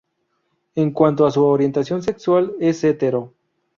En cuanto a su orientación sexual es hetero.